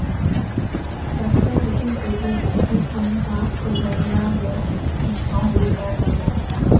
La crête est composée de six plumes partent vers l'arrière puis s'enroulent vers l'avant.